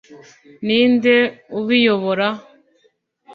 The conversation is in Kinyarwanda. ninde ubiyobora